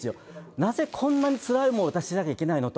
なぜこんなにつらい思いを、私しなきゃいけないのと。